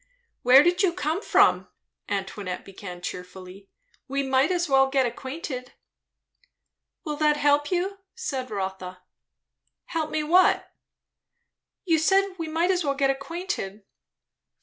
"Where did you come from?" Antoinette began cheerfully. "We might as well get acquainted." "Will that help you?" said Rotha. "Help me what?" "You said we might as well get acquainted."